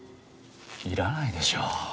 いらないでしょ？